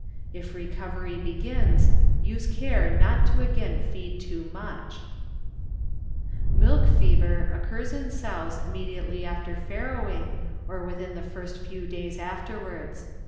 If recov ery begins, use care not to again feed too Milk Fever occurs in sows immedi ately after farrowing or within the first few days afterwards.